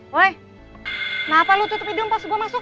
weh kenapa lu tutup hidung pas gue masuk